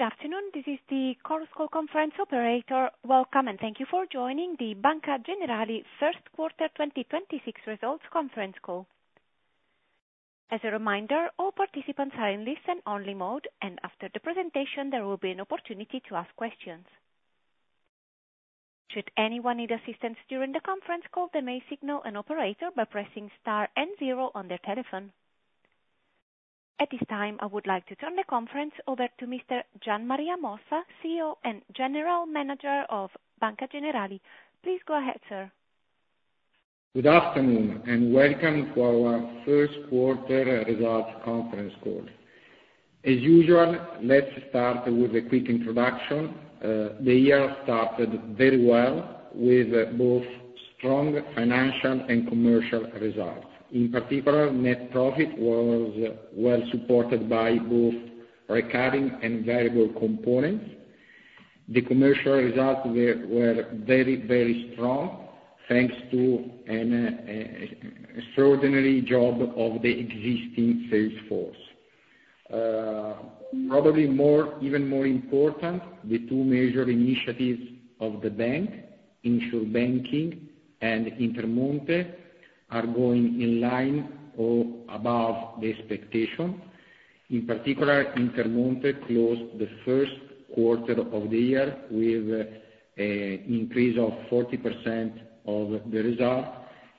Good afternoon. This is the Chorus Call conference operator. Welcome, and thank you for joining the Banca Generali first quarter 2026 results conference call. As a reminder, all participants are in listen-only mode, and after the presentation, there will be an opportunity to ask questions. Should anyone need assistance during the conference call, they may signal an operator by pressing star and 0 on their telephone. At this time, I would like to turn the conference over to Mr. Gian Maria Mossa, CEO and General Manager of Banca Generali. Please go ahead, sir. Good afternoon, welcome to our first quarter results conference call. As usual, let's start with a quick introduction. The year started very well with both strong financial and commercial results. In particular, net profit was well supported by both recurring and variable components. The commercial results were very, very strong, thanks to an extraordinary job of the existing sales force. Probably more, even more important, the two major initiatives of the bank, Insur Banking and Intermonte, are going in line or above the expectation. In particular, Intermonte closed the first quarter of the year with increase of 40% of the result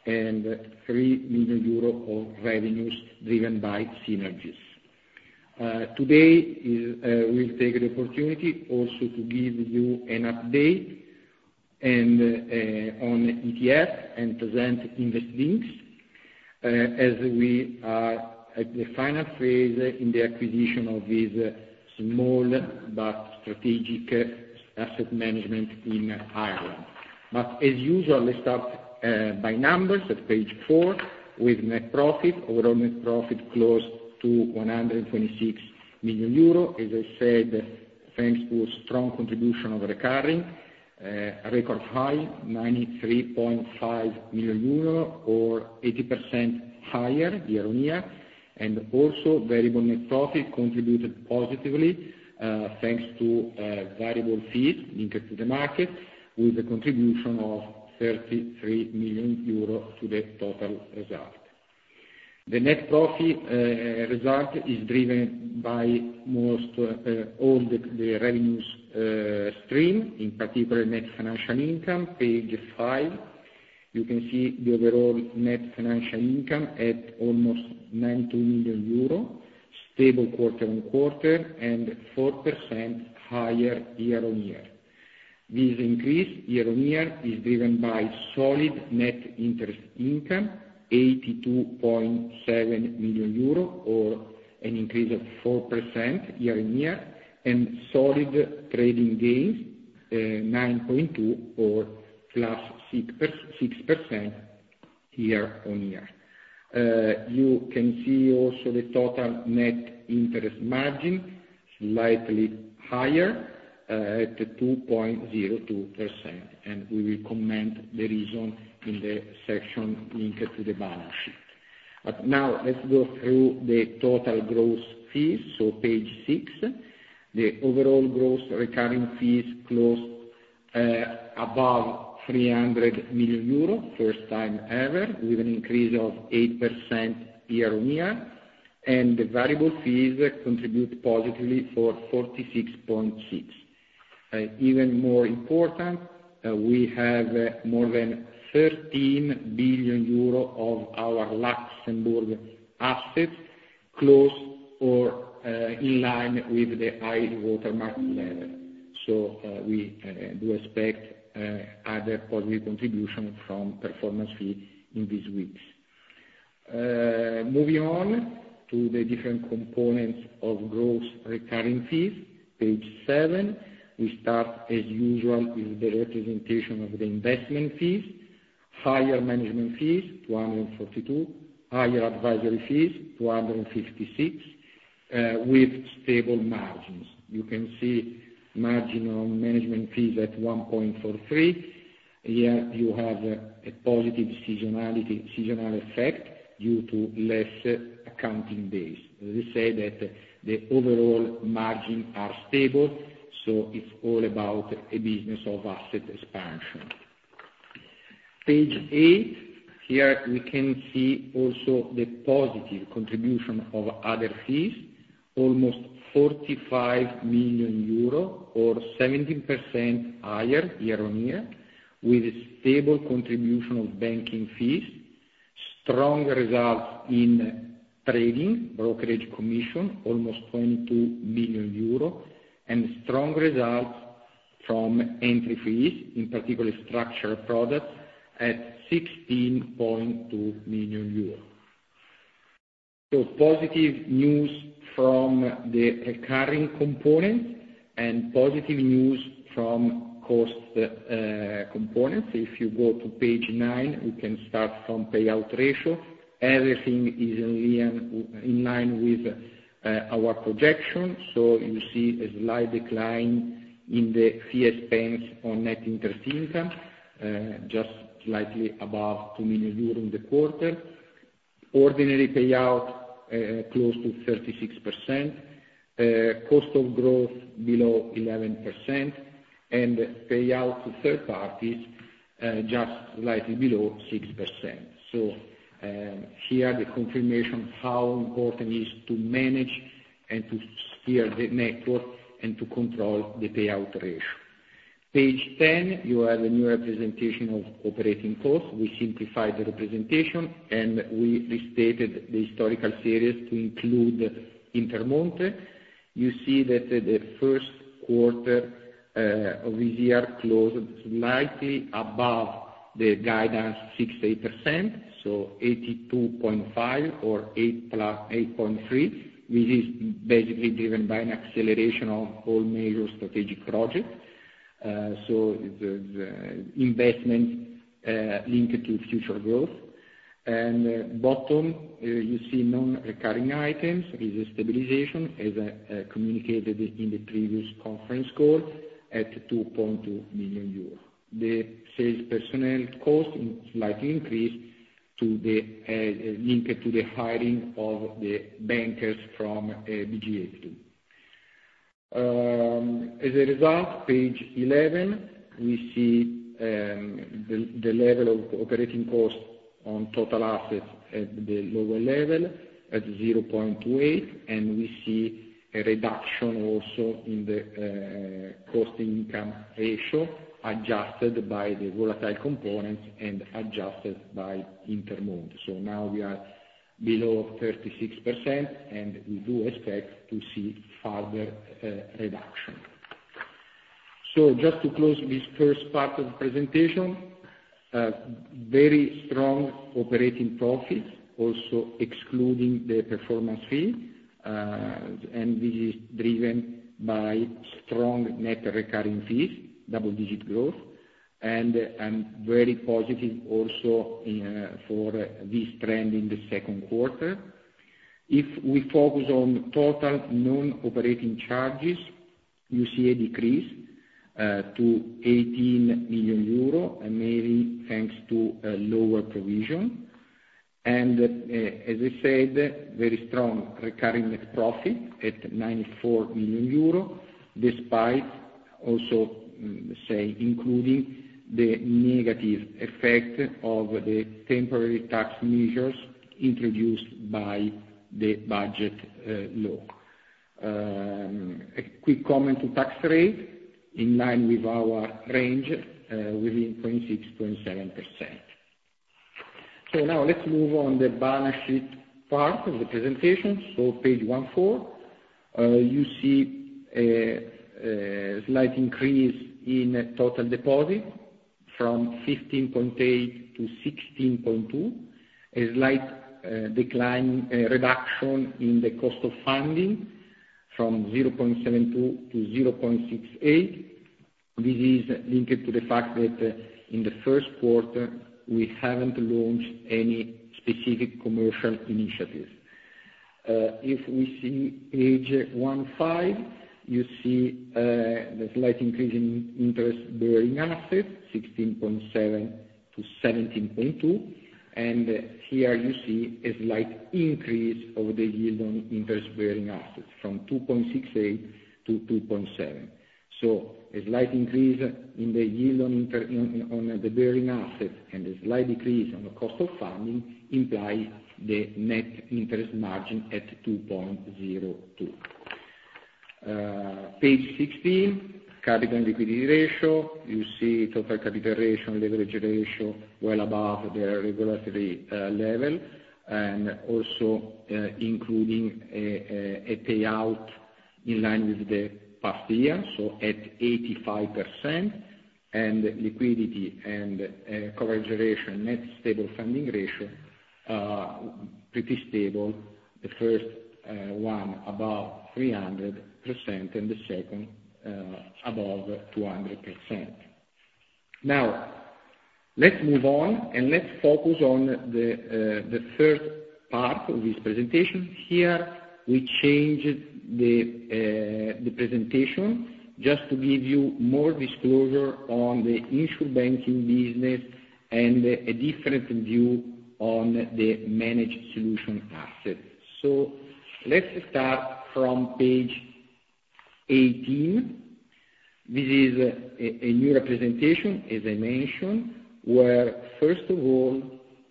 and 3 million euro of revenues driven by synergies. Today is, we'll take the opportunity also to give you an update on ETF and present Investlinx, as we are at the final phase in the acquisition of this small but strategic asset management in Ireland. As usual, let's start by numbers at Page 4 with net profit. Overall net profit close to 126 million euro. As I said, thanks to a strong contribution of recurring, record high, 93.5 million euro or 80% higher year-on-year, and also variable net profit contributed positively, thanks to variable fees linked to the market with a contribution of 33 million euros to the total result. The net profit result is driven by most, all the revenues stream, in particular net financial income, Page 5. You can see the overall net financial income at almost 90 million euro, stable quarter-on-quarter and 4% higher year-on-year. This increase year-on-year is driven by solid net interest income, 82.7 million euro or an increase of 4% year-on-year and solid trading gains, 9.2 or plus 6.6% year-on-year. You can see also the total net interest margin slightly higher at 2.02%, we will comment the reason in the section linked to the balance sheet. Now let's go through the total gross fees. Page 6. The overall gross recurring fees closed above 300 million euro, first time ever, with an increase of 8% year-on-year, and the variable fees contribute positively for 46.6. Even more important, we have more than 13 billion euro of our Luxembourg assets close or in line with the high-water mark level. We do expect other positive contribution from performance fee in these weeks. Moving on to the different components of gross recurring fees, Page 7. We start as usual with the representation of the investment fees, higher management fees, 242, higher advisory fees, 256, with stable margins. You can see margin on management fees at 1.43. Here you have a positive seasonality, seasonal effect due to less accounting days. As I said that the overall margin are stable, it's all about a business of asset expansion. Page 8. Here we can see also the positive contribution of other fees, almost 45 million euro or 17% higher year-on-year, with stable contribution of banking fees, strong results in trading, brokerage commission, almost 22 million euro, and strong results from entry fees, in particular structured products at EUR 16.2 million. Positive news from the recurring component and positive news from cost components. If you go to Page 9, we can start from payout ratio. Everything is in line with our projection. You see a slight decline in the fees spent on net interest income, just slightly above 2 million euros in the quarter. Ordinary payout, close to 36%. Cost of growth below 11%, and payout to third parties, just slightly below 6%. Here the confirmation how important is to manage and to steer the network and to control the payout ratio. Page 10, you have a new representation of operating costs. We simplified the representation, and we restated the historical series to include Intermonte. You see that the first quarter of this year closed slightly above the guidance 68%, so 82.5 or 8 + 8.3, which is basically driven by an acceleration of all major strategic projects. The investment linked to future growth. Bottom, you see non-recurring items is a stabilization as communicated in the previous conference call at 2.2 million euros. The sales personnel cost slightly increased to the linked to the hiring of the bankers from BG. As a result, Page 11, we see the level of operating costs on total assets at the lower level at 0.28, and we see a reduction also in the cost-to-income ratio adjusted by the volatile components and adjusted by Intermonte. Now we are below 36%, and we do expect to see further reduction. Just to close this first part of the presentation, very strong operating profits, also excluding the performance fee, and this is driven by strong net recurring fees, double-digit growth, and I'm very positive also in for this trend in the second quarter. If we focus on total non-operating charges, you see a decrease to 18 million euro, mainly thanks to a lower provision. As I said, very strong recurring net profit at 94 million euro, despite also including the negative effect of the temporary tax measures introduced by the budget law. A quick comment on tax rate, in line with our range, within 0.6%-0.7%. Let's move on the balance sheet part of the presentation. Page 14, you see a slight increase in total deposit from 15.8-16.2. A slight decline, reduction in the cost of funding from 0.72%-0.68%. This is linked to the fact that in the first quarter, we haven't launched any specific commercial initiatives. If we see Page 15, you see the slight increase in interest-bearing assets, 16.7-17.2. Here you see a slight increase of the yield on interest-bearing assets from 2.68 to 2.7. A slight increase in the yield on the bearing assets and a slight decrease on the cost of funding implies the net interest margin at 2.02. Page 16, capital and liquidity ratio. You see total capital ratio and leverage ratio well above their regulatory level, and also, including a payout in line with the past year, so at 85%. Liquidity and coverage ratio, net stable funding ratio, pretty stable. The first one above 300% and the second above 200%. Let's move on, let's focus on the third part of this presentation. Here, we changed the presentation just to give you more disclosure on the Insur Banking business and a different view on the managed solution assets. Let's start from Page 18. This is a new representation, as I mentioned, where, first of all,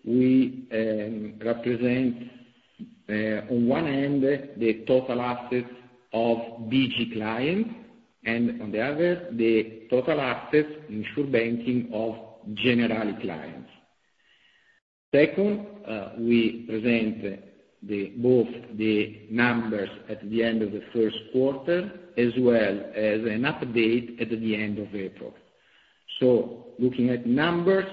we represent on one end, the total assets of BG clients, and on the other, the total assets Insur Banking of Generali clients. Second, we present both the numbers at the end of the first quarter, as well as an update at the end of April. Looking at numbers,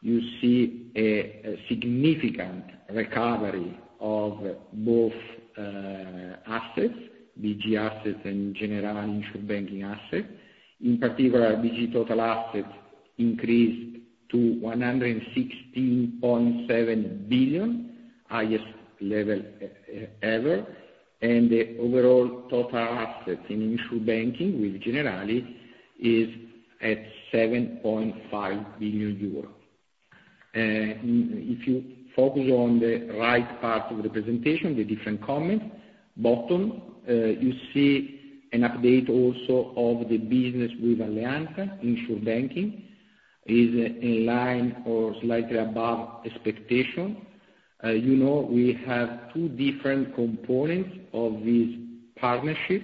you see a significant recovery of both assets, BG assets and Generali Insur Banking assets. In particular, BG total assets increased to 116.7 billion, higher than level ever. The overall total assets in Insur Banking with Generali is at 7.5 billion euro. If you focus on the right part of the presentation, the different comment, bottom, you see an update also of the business with Alleanza Insur Banking. It is in line or slightly above expectation. You know, we have two different components of this partnership.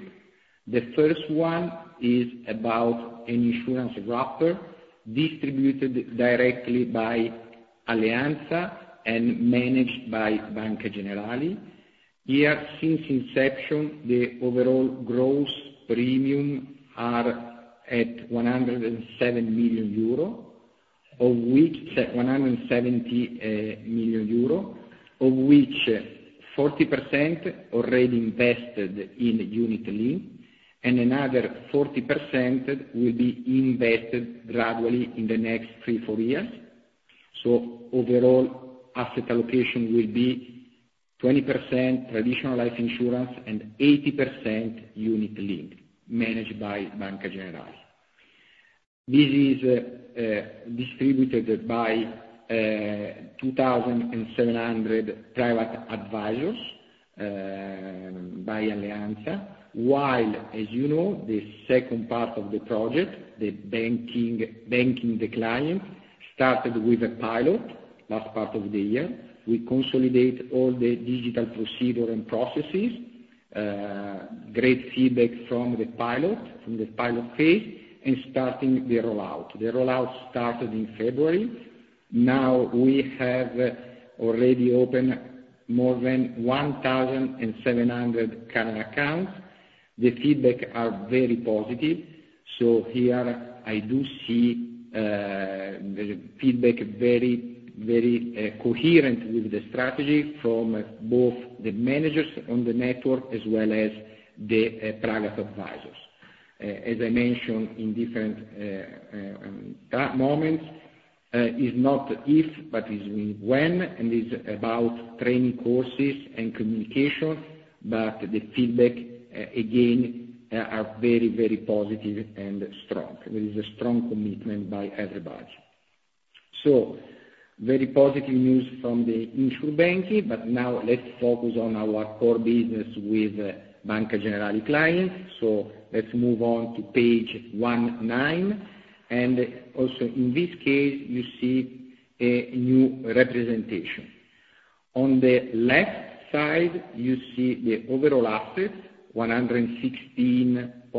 The first one is about an insurance wrapper distributed directly by Alleanza and managed by Banca Generali. Here, since inception, the overall gross premium are at 170 million euro, of which 40% already invested in unit-linked, and another 40% will be invested gradually in the next 3, 4 years. Overall asset allocation will be 20% traditional life insurance and 80% unit-linked managed by Banca Generali. This is distributed by 2,700 private advisors by Alleanza. As you know, the second part of the project, banking the client, started with a pilot last part of the year. We consolidate all the digital procedure and processes. Great feedback from the pilot phase, starting the rollout. The rollout started in February. We have already opened more than 1,700 current accounts. The feedback are very positive. Here I do see the feedback very coherent with the strategy from both the managers on the network as well as the private advisors. As I mentioned in different moments, is not if, but is when, is about training courses and communication. The feedback, again, are very, very positive and strong. There is a strong commitment by everybody. Very positive news from the Insur Banking, but now let's focus on our core business with Banca Generali clients. Let's move on to Page 19. Also in this case, you see a new representation. On the left side, you see the overall assets, 116.7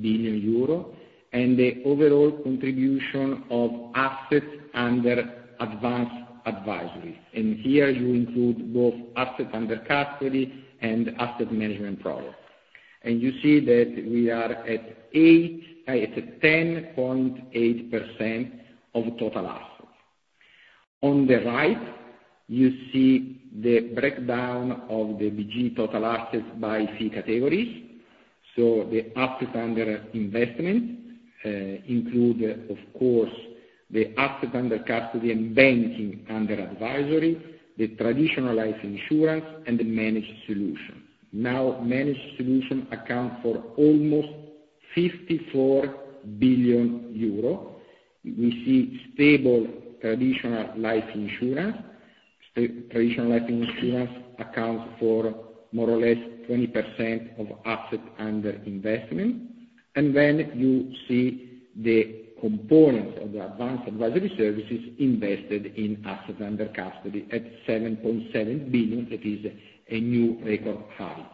billion euro, and the overall contribution of assets under advanced advisory. Here you include both assets under custody and asset management products. You see that we are at 10.8% of total assets. On the right you see the breakdown of the BG total assets by fee categories. The assets under investment include of course, the assets under custody and banking under advisory, the traditional life insurance, and the managed solution. Managed solution account for almost 54 billion euro. We see stable traditional life insurance. Traditional life insurance accounts for more or less 20% of assets under investment. You see the components of the advanced advisory services invested in assets under custody at 7.7 billion. That is a new record high.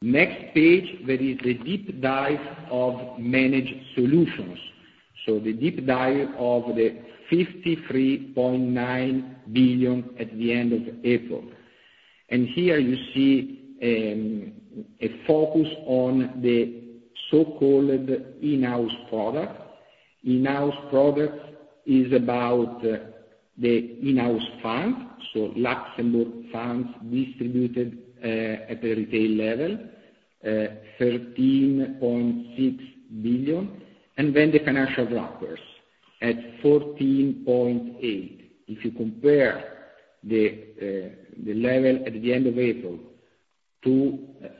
Next page, there is a deep dive of managed solutions. The deep dive of the 53.9 billion at the end of April. Here you see a focus on the so-called in-house product. In-house product is about the in-house fund, so Luxembourg funds distributed at the retail level, 13.6 billion, and then the financial wrappers at 14.8. If you compare the level at the end of April to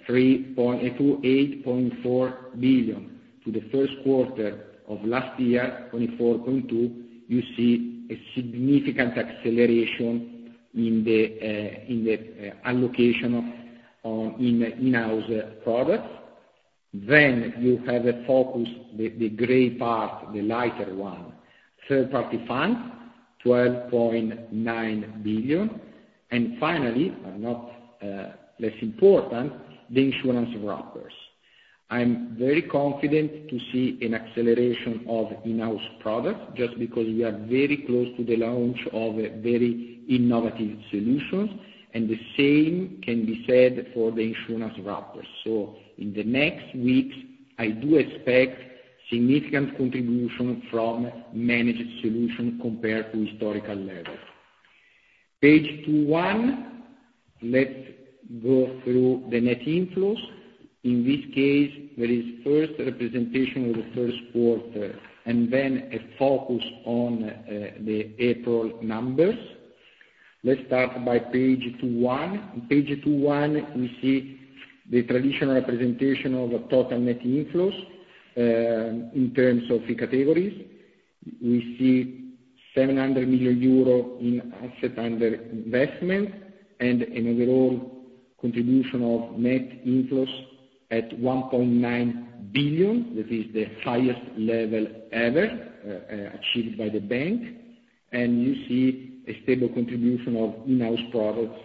8.4 billion to the first quarter of last year, 24.2 billion, you see a significant acceleration in the allocation of in-house products. You have a focus, the gray part, the lighter one, third party fund, 12.9 billion. Finally, but not less important, the insurance wrappers. I'm very confident to see an acceleration of in-house products just because we are very close to the launch of a very innovative solutions, and the same can be said for the insurance wrappers. In the next weeks, I do expect significant contribution from managed solution compared to historical levels. Page 21. Let's go through the net inflows. In this case, there is first representation of the first quarter and then a focus on the April numbers. Let's start by Page 21. Page 21, we see the traditional representation of the total net inflows in terms of three categories. We see 700 million euro in asset under investment and an overall contribution of net inflows at 1.9 billion. That is the highest level ever achieved by the bank. You see a stable contribution of in-house products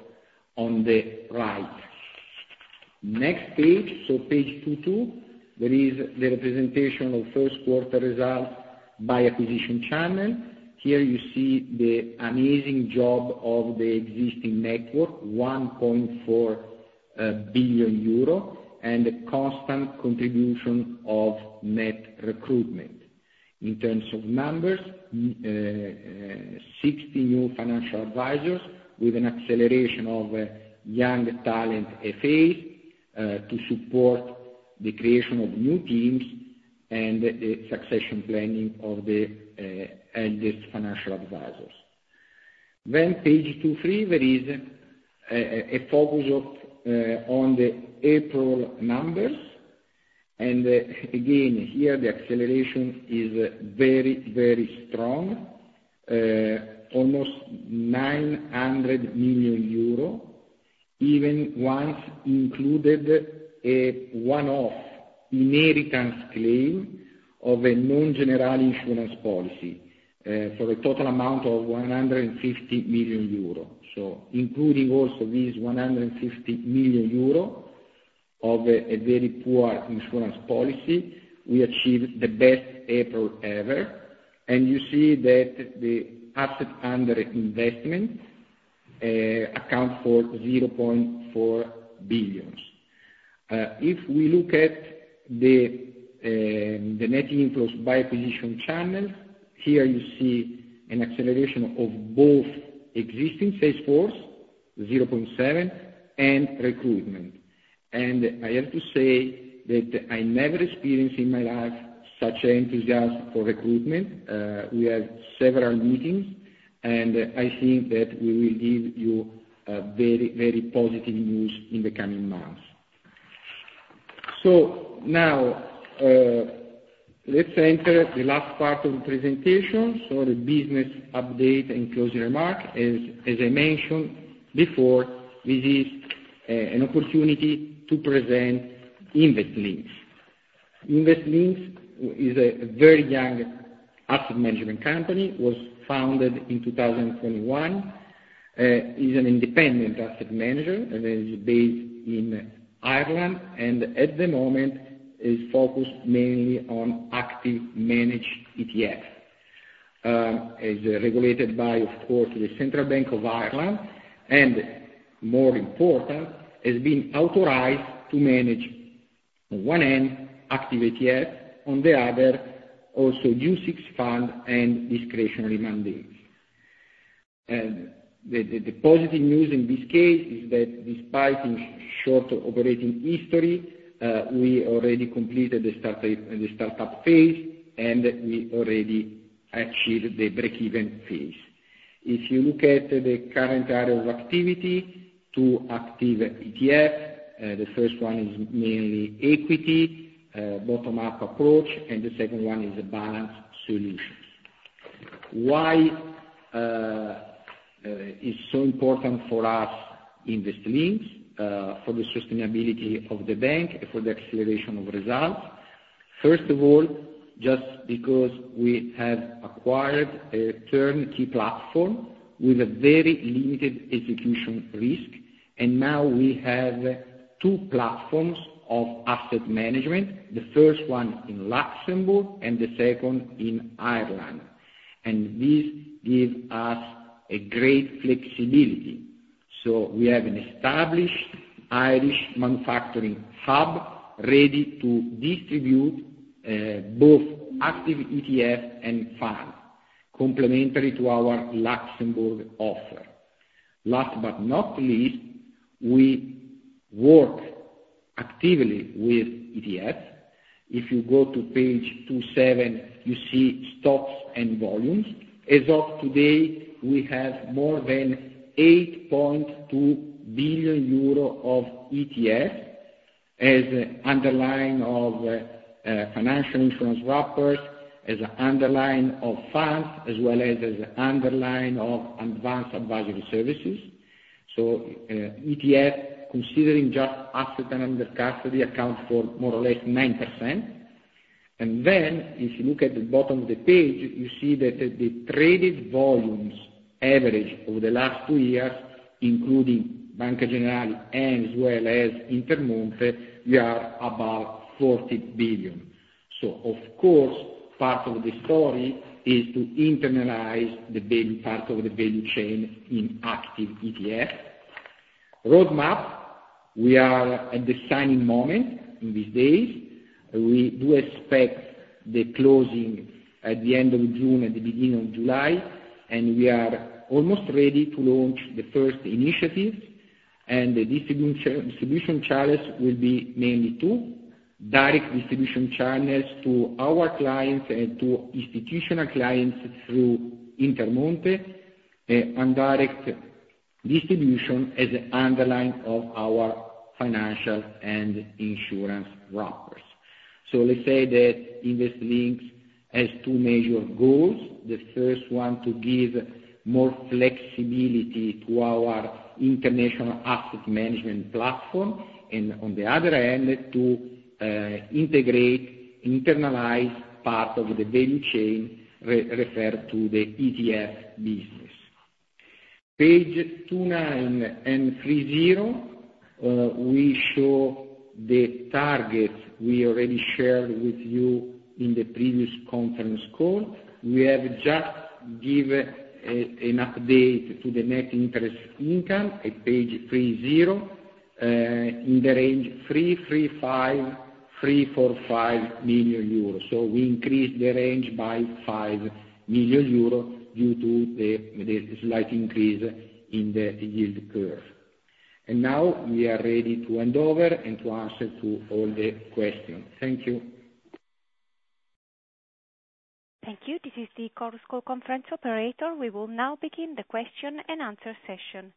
on the right. Next Page 22, there is the representation of first quarter results by acquisition channel. Here you see the amazing job of the existing network, 1.4 billion euro, and the constant contribution of net recruitment. In terms of numbers, 60 new financial advisors with an acceleration of young talent FA to support the creation of new teams and the succession planning of the eldest financial advisors. Page 23, there is a focus on the April numbers. Again, here the acceleration is very, very strong, almost 900 million euro. Even once included a one-off inheritance claim of a non-Generali insurance policy for a total amount of 150 million euro. Including also this 150 million euro of a very poor insurance policy, we achieved the best April ever. You see that the asset under investment account for 0.4 billion. If we look at the net inflows by acquisition channel, here you see an acceleration of both existing sales force, 0.7, and recruitment. I have to say that I never experienced in my life such enthusiasm for recruitment. We have several meetings, I think that we will give you a very, very positive news in the coming months. Now, let's enter the last part of the presentation, the business update and closing remark. As I mentioned before, this is an opportunity to present Investlinx. Investlinx is a very young asset management company. Was founded in 2021. Is an independent asset manager, is based in Ireland, at the moment is focused mainly on active managed ETF. Is regulated by, of course, the Central Bank of Ireland and more important, is being authorized to manage on one end, active ETF, on the other, also UCITS fund and discretionary mandates. The positive news in this case is that despite its short operating history, we already completed the startup phase, and we already achieved the break-even phase. If you look at the current area of activity, two active ETF. The first one is mainly equity, bottom-up approach, and the second one is a balanced solution. Why is so important for us, Investlinx, for the sustainability of the bank, for the acceleration of results? First of all, just because we have acquired a turnkey platform with a very limited execution risk, now we have two platforms of asset management, the first one in Luxembourg and the second in Ireland. This give us a great flexibility. We have an established Irish manufacturing hub ready to distribute both active ETF and fund, complementary to our Luxembourg offer. Last but not least, we work actively with ETFs. If you go to Page 27, you see stocks and volumes. As of today, we have more than 8.2 billion euro of ETFs as underlying of financial insurance wrappers, as underlying of funds, as well as underlying of advanced advisory services. ETF, considering just assets under custody account for more or less 9%. If you look at the bottom of the page, you see that the traded volumes average over the last two years, including Banca Generali and as well as Intermonte, we are about 40 billion. Of course, part of the story is to internalize the value, part of the value chain in active ETF roadmap. We are at the signing moment in these days. We do expect the closing at the end of June, at the beginning of July, and we are almost ready to launch the first initiative. The distribution channels will be mainly two: direct distribution channels to our clients and to institutional clients through Intermonte, and direct distribution as underlying of our financial and insurance wrappers. Let's say that Invest Links has two major goals. The first one, to give more flexibility to our international asset management platform. On the other end, to integrate, internalize part of the value chain re-referred to the ETF business. Page 29 and 30, we show the targets we already shared with you in the previous conference call. We have just give an update to the net interest income at Page 30, in the range 335 million-345 million euro. We increased the range by 5 million euro due to the slight increase in the yield curve. Now we are ready to hand over and to answer to all the questions. Thank you. Thank you. This is the Chorus Call conference operator. We will now begin the question and answer session.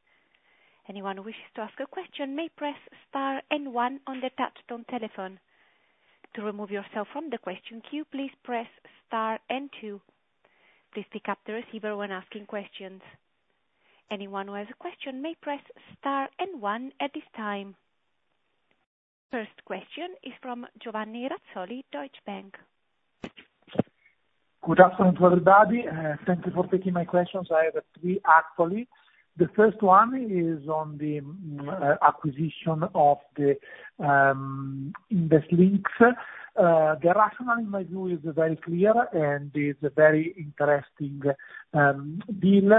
Anyone who wishes to ask a question may press star and one on their touch-tone telephone. To remove yourself from the question queue, please press star and two. Please pick up the receiver when asking questions. Anyone who has a question may press star and one at this time. First question is from Giovanni Razzoli, Deutsche Bank. Good afternoon to everybody. Thank you for taking my questions. I have three, actually. The first one is on the acquisition of the Investlinx. The rationale in my view is very clear, and it's very interesting deal.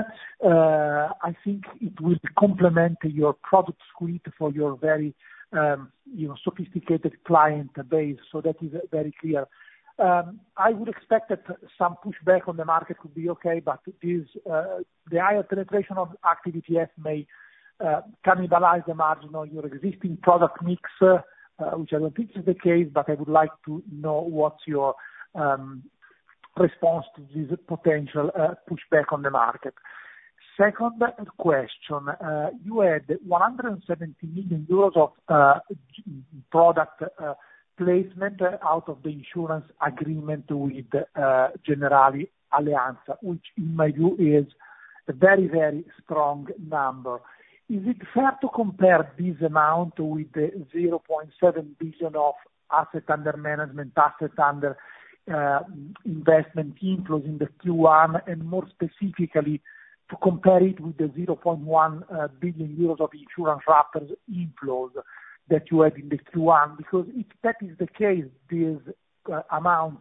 I think it will complement your product suite for your very, you know, sophisticated client base. That is very clear. I would expect that some pushback on the market could be okay, but it is the higher penetration of active ETF may cannibalize the margin on your existing product mix, which I don't think is the case, but I would like to know what's your response to this potential pushback on the market. Second question. You had 170 million euros of product placement out of the insurance agreement with Generali Alleanza, which in my view is a very, very strong number. Is it fair to compare this amount with the 0.7 billion of asset under management, asset under investment inflows in the Q1, and more specifically, to compare it with the 0.1 billion euros of insurance wrappers inflows that you had in the Q1? If that is the case, this amount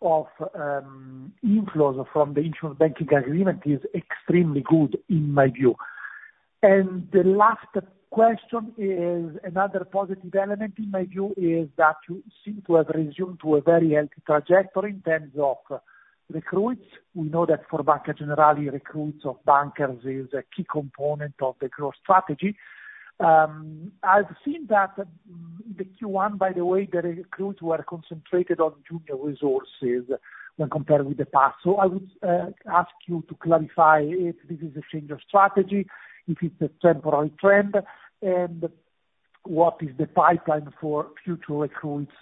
of inflows from the Insur Banking agreement is extremely good in my view. The last question is another positive element in my view, is that you seem to have resumed to a very healthy trajectory in terms of recruits. We know that for Banca Generali, recruits of bankers is a key component of the growth strategy. I've seen that the Q1, by the way, the recruits were concentrated on junior resources when compared with the past. I would ask you to clarify if this is a change of strategy, if it's a temporary trend, and what is the pipeline for future recruits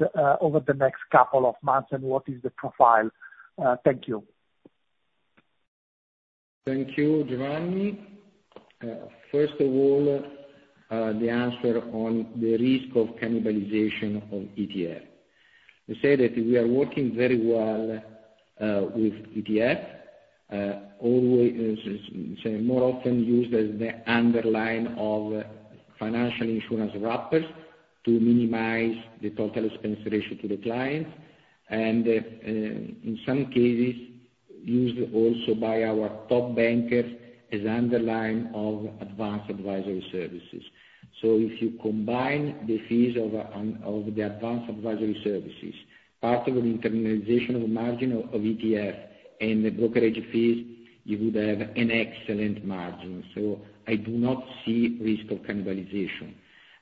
over the next couple of months, and what is the profile? Thank you. Thank you, Giovanni. First of all, the answer on the risk of cannibalization of ETF. To say that we are working very well with ETF, always are more often used as the underlying of financial insurance wrappers to minimize the total expense ratio to the client. In some cases, used also by our top bankers as underlying of advanced advisory services. If you combine the fees of the advanced advisory services, part of the internalization of margin of ETF and the brokerage fees, you would have an excellent margin. I do not see risk of cannibalization,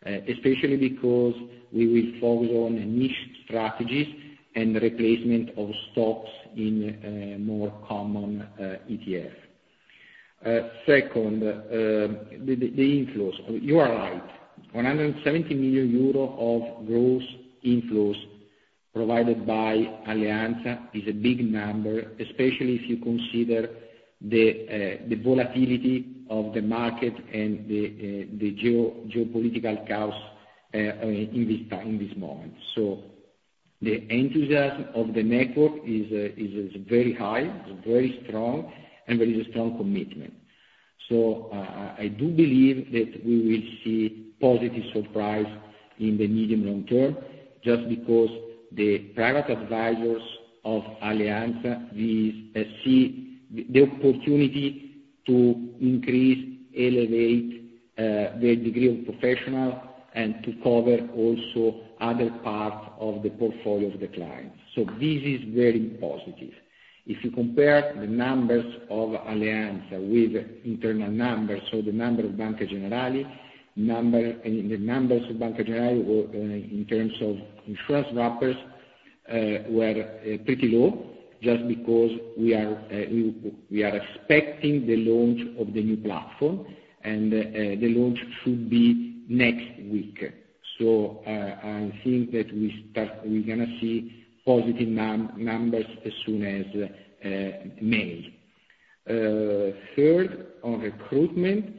especially because we will focus on niche strategies and replacement of stocks in more common ETF. Second, the inflows. You are right. 170 million euro of gross inflows provided by Alleanza is a big number, especially if you consider the volatility of the market and the geopolitical chaos in this moment. The enthusiasm of the network is very high, is very strong, and there is a strong commitment. I do believe that we will see positive surprise in the medium long term, just because the private advisors of Alleanza, we see the opportunity to increase, elevate the degree of professional and to cover also other parts of the portfolio of the client. This is very positive. If you compare the numbers of Alleanza with internal numbers. The number of Banca Generali, in the numbers of Banca Generali, in terms of insurance wrappers, were pretty low just because we are expecting the launch of the new platform and the launch should be next week. I think that we're gonna see positive numbers as soon as May. Third, on recruitment,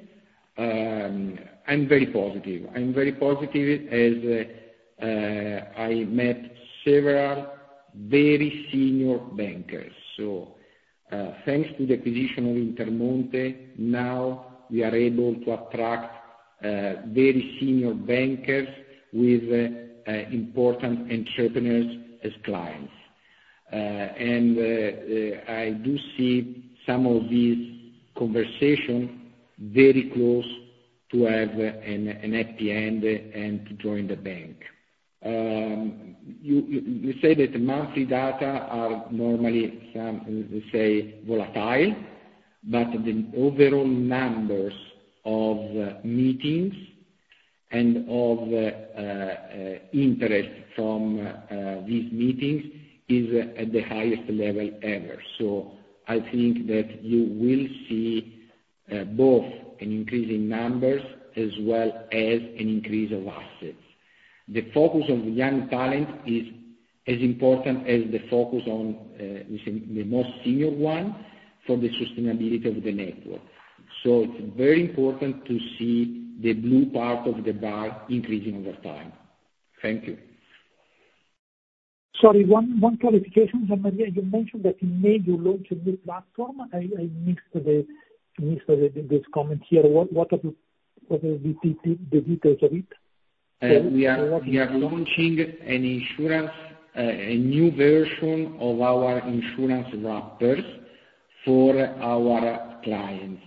I'm very positive. I am very positive as I met several very senior bankers. Thanks to the acquisition of Intermonte, now we are able to attract very senior bankers with important entrepreneurs as clients. And I do see some of these conversation very close to have an happy end and to join the bank. You say that monthly data are normally some, we say, volatile, but the overall numbers of meetings and of interest from these meetings is at the highest level ever. I think that you will see both an increase in numbers as well as an increase of assets. The focus on young talent is as important as the focus on the most senior one for the sustainability of the network. It's very important to see the blue part of the bar increasing over time. Thank you. Sorry, one clarification, Gian Maria. You mentioned that in May you launch a new platform. I missed the comment here. What are the details of it? We are launching an insurance, a new version of our insurance wrappers for our clients.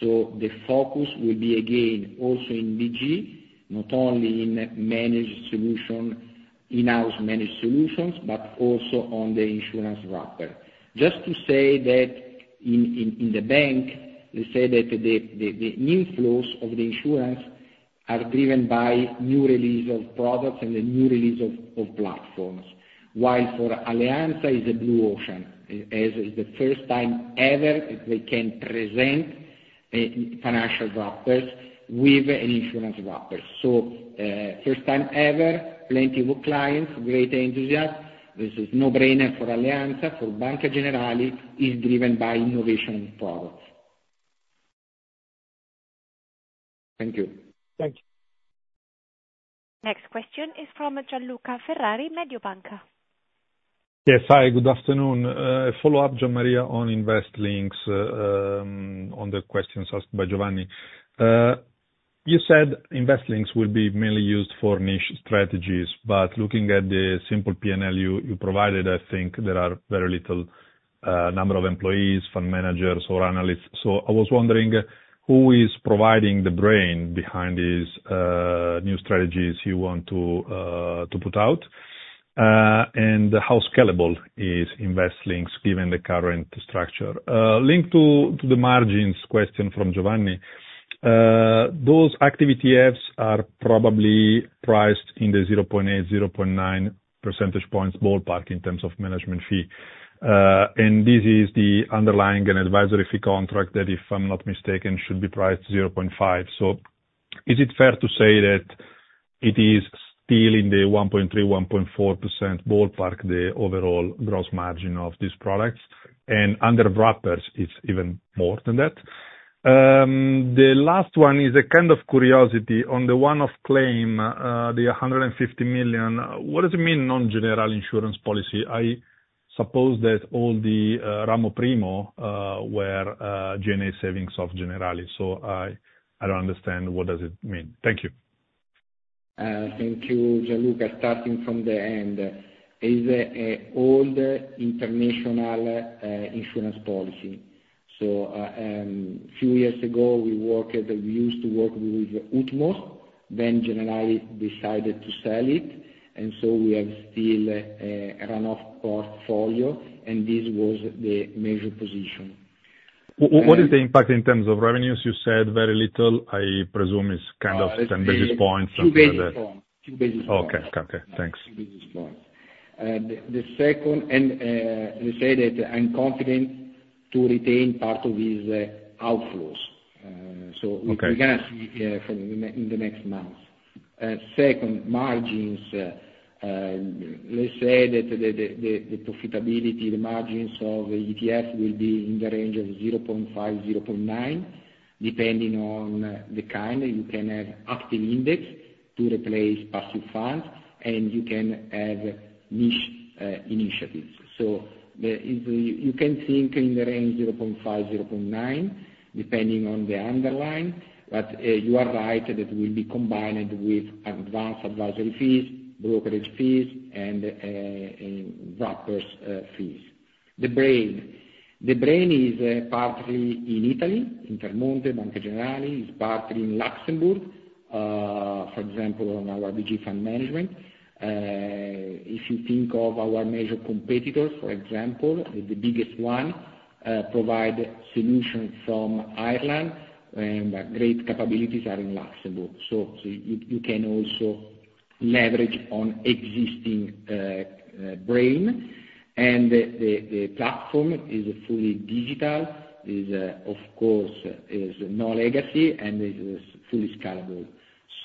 The focus will be again also in BG, not only in managed solution, in-house managed solutions, but also on the insurance wrapper. Just to say that in the bank, they say that the inflows of the insurance are driven by new release of products and the new release of platforms. While for Alleanza is a blue ocean, as is the first time ever they can present financial wrappers with an insurance wrapper. First time ever, plenty of clients, great enthusiasm. This is no-brainer for Alleanza. For Banca Generali is driven by innovation products. Thank you. Thank you. Next question is from Gianluca Ferrari, Mediobanca. Yes. Hi, good afternoon. A follow-up, Gian Maria, on Investlinx, on the questions asked by Giovanni. You said Investlinx will be mainly used for niche strategies, but looking at the simple P&L you provided, I think there are very little number of employees, fund managers or analysts. I was wondering who is providing the brain behind these new strategies you want to put out? How scalable is Investlinx given the current structure? Linked to the margins question from Giovanni, those active ETFs are probably priced in the 0.8, 0.9 percentage points ballpark in terms of management fee. This is the underlying and advisory fee contract that, if I'm not mistaken, should be priced 0.5. Is it fair to say that it is still in the 1.3, 1.4% ballpark, the overall gross margin of these products, and under wrappers it's even more than that? The last one is a kind of curiosity. On the one-off claim, the 150 million, what does it mean non-Generali insurance policy? I suppose that all the Ramo Primo were GNA savings of Generali. I don't understand what does it mean. Thank you. Thank you, Gianluca. Starting from the end. Is old international insurance policy. Few years ago we used to work with Utmost, then Generali decided to sell it, and so we have still a runoff portfolio, and this was the major position. What is the impact in terms of revenues? You said very little. I presume it's kind of 10 basis points. 2 basis points. 2 basis points. Okay. Okay. Thanks. 2 basis points. The second, we say that I'm confident to retain part of these outflows. Okay. We're gonna see from the next months. Second, margins, let's say that the profitability, the margins of ETF will be in the range of 0.5-0.9, depending on the kind. You can have active index to replace passive funds, and you can have niche initiatives. You can think in the range 0.5-0.9, depending on the underlying. You are right, that will be combined with advanced advisory fees, brokerage fees and wrappers fees. The brain. The brain is partly in Italy, Intermonte, Banca Generali, is partly in Luxembourg, for example, on our BG Fund Management. If you think of our major competitors, for example, the biggest one, provide solutions from Ireland and great capabilities are in Luxembourg. You can also leverage on existing brain. The platform is fully digital, is, of course, no legacy and is fully scalable.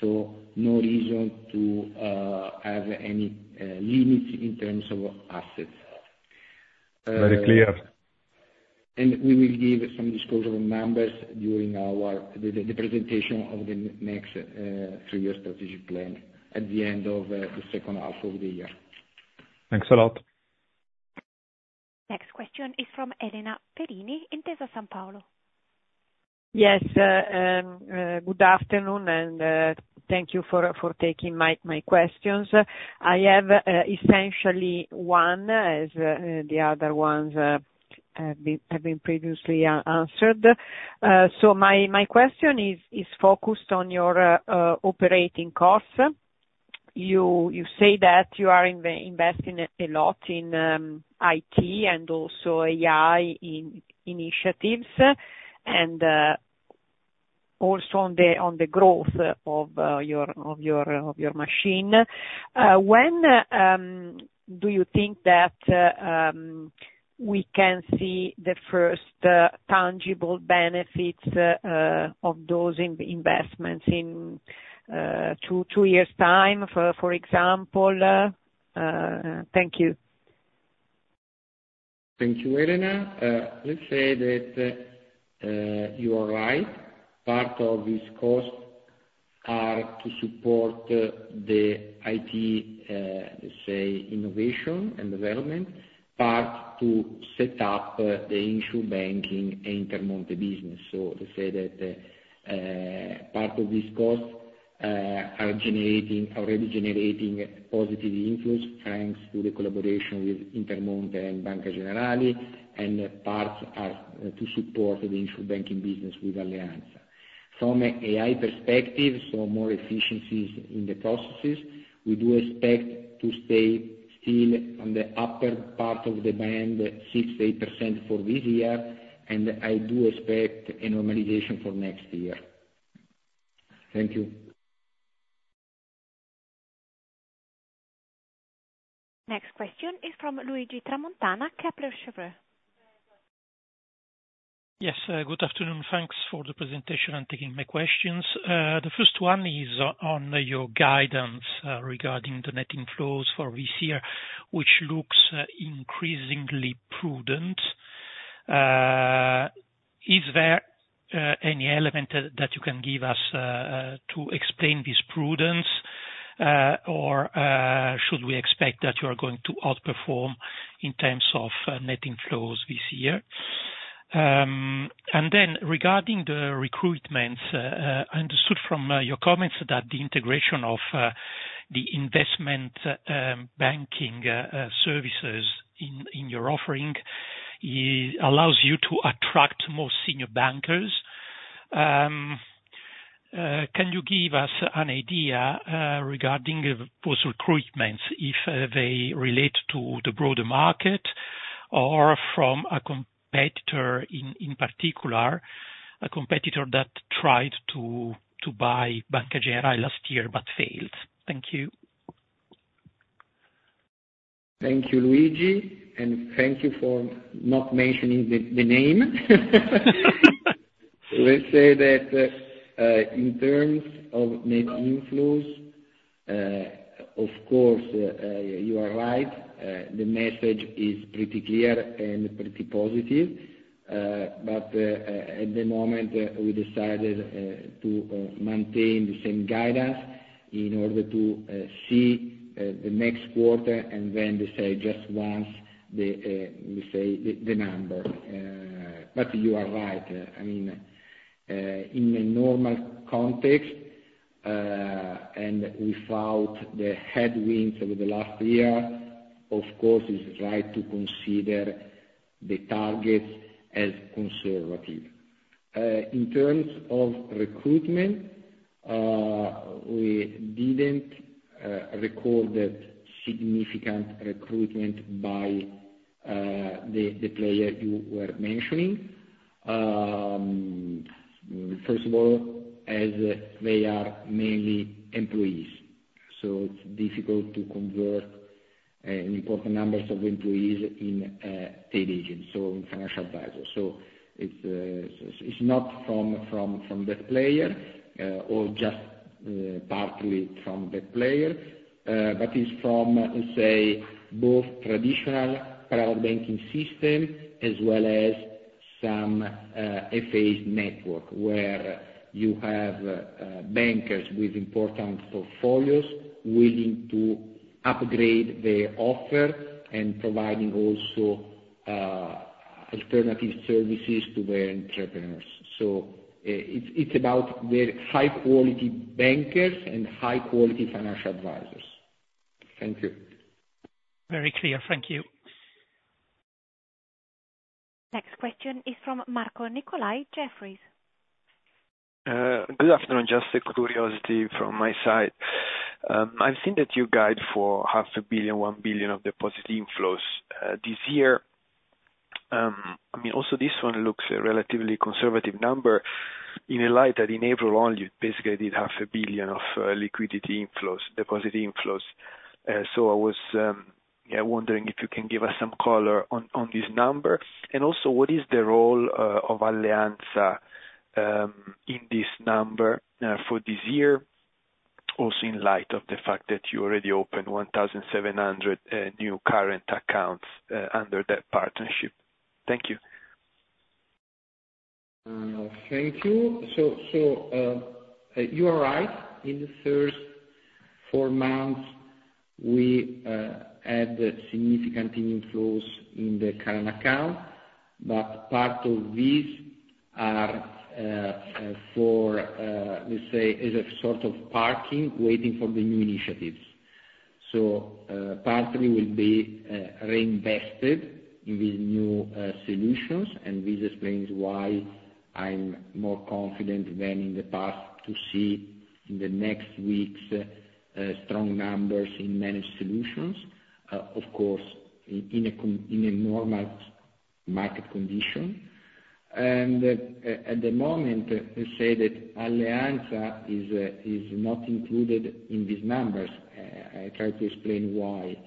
No reason to have any limits in terms of assets. Very clear. We will give some disclosure numbers during the presentation of the next three-year strategic plan at the end of the second half of the year. Thanks a lot. Next question is from Elena Perini, Intesa Sanpaolo. Yes. Good afternoon, thank you for taking my questions. I have essentially one, as the other ones have been previously answered. My question is focused on your operating costs. You say that you are investing a lot in IT and also AI initiatives and also on the growth of your machine. When do you think that we can see the first tangible benefits of those investments in two years' time, for example? Thank you. Thank you, Elena. Let's say that you are right. Part of this costs are to support the IT, let's say innovation and development, part to set up the Insur Banking Intermonte business. Let's say that part of this costs are already generating positive influence thanks to the collaboration with Intermonte and Banca Generali, and parts are to support the Insur Banking business with Alleanza. From AI perspective, so more efficiencies in the processes, we do expect to stay still on the upper part of the band 6%-8% for this year, and I do expect a normalization for next year. Thank you. Next question is from Luigi Tramontana, Kepler Cheuvreux. Yes, good afternoon. Thanks for the presentation and taking my questions. The first one is on your guidance regarding the net inflows for this year, which looks increasingly prudent. Is there any element that you can give us to explain this prudence, or should we expect that you are going to outperform in terms of net inflows this year? Regarding the recruitment, I understood from your comments that the integration of the investment banking services in your offering allows you to attract more senior bankers. Can you give us an idea regarding those recruitments, if they relate to the broader market or from a competitor in particular, a competitor that tried to buy Banca Generali last year but failed? Thank you. Thank you, Luigi, and thank you for not mentioning the name. Let's say that in terms of net inflows, of course, you are right. The message is pretty clear and pretty positive. At the moment we decided to maintain the same guidance in order to see the next quarter, and then to say just once the number. You are right. I mean, in a normal context, and without the headwinds over the last year, of course it's right to consider the targets as conservative. In terms of recruitment, we didn't record that significant recruitment by the player you were mentioning. First of all, as they are mainly employees, it's difficult to convert important numbers of employees in paid agents, so financial advisors. It's not from that player, or just partly from that player, but it's from, let's say, both traditional private banking system as well as some FA network where you have bankers with important portfolios willing to upgrade the offer and providing also Alternative services to the entrepreneurs. It's about the high-quality bankers and high-quality financial advisors. Thank you. Very clear. Thank you. Next question is from Marco Nicolai, Jefferies. Good afternoon. Just a curiosity from my side. I've seen that you guide for half a billion, 1 billion of deposit inflows this year. I mean, also this one looks a relatively conservative number in a light that in April only, you basically did half a billion of liquidity inflows, deposit inflows. So, I was wondering if you can give us some color on this number. Also, what is the role of Alleanza in this number for this year, also in light of the fact that you already opened 1,700 new current accounts under that partnership. Thank you. Thank you. You are right. In the first four months, we had significant inflows in the current account, but part of these are for, let's say, is a sort of parking, waiting for the new initiatives. Partly will be reinvested in these new solutions, and this explains why I'm more confident than in the past to see in the next weeks, strong numbers in managed solutions. Of course, in a normal market condition. At the moment, let's say that Alleanza is not included in these numbers. I try to explain why.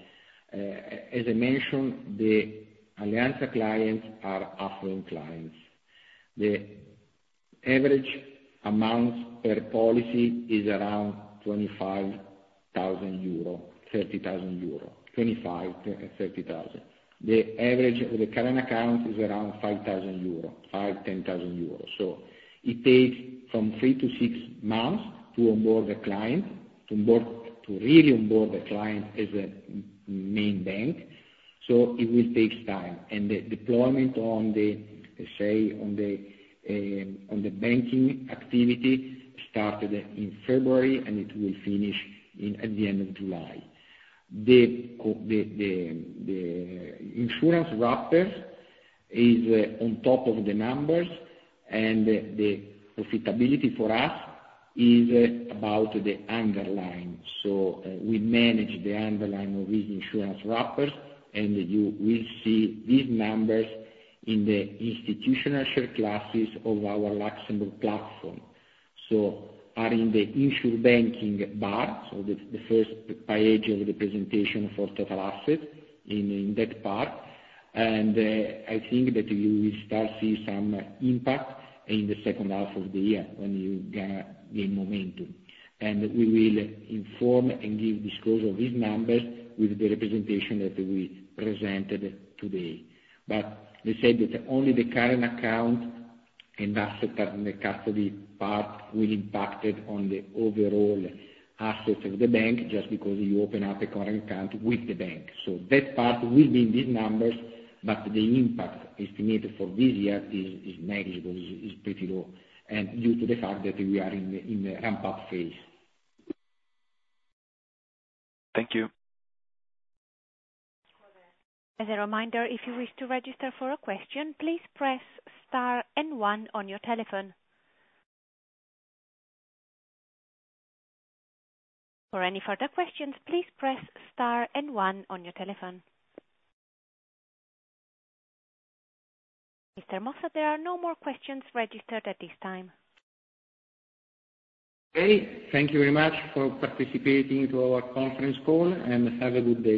As I mentioned, the Alleanza clients are affluent clients. The average amount per policy is around 25,000 euro, 30,000 euro. 25,000-30,000. The average of the current account is around 5,000 euro. 5,000-10,000 euro. It takes from three to six months to really onboard the client as a main bank, it will take time. The deployment on the, let's say on the banking activity started in February, it will finish at the end of July. The insurance wrapper is on top of the numbers, the profitability for us is about the underlying. We manage the underlying of these insurance wrappers, you will see these numbers in the institutional share classes of our Luxembourg platform. Are in the Insur Banking bar, the first page of the presentation for total assets in that part. I think that you will start see some impact in the second half of the year when you gain momentum. We will inform and give disclosure of these numbers with the representation that we presented today. Let's say that only the current account and asset and the custody part will impacted on the overall assets of the bank, just because you open up a current account with the bank. So, that part will be in these numbers, but the impact estimated for this year is negligible, is pretty low, and due to the fact that we are in the ramp-up phase. Thank you. Mr. Mossa, there are no more questions registered at this time. Okay. Thank you very much for participating to our conference call and have a good day.